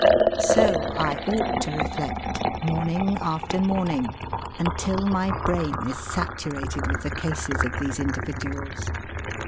So I ought to reflect, morning after morning, until my brain is saturated with the cases of these individuals.